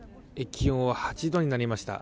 気温は８度になりました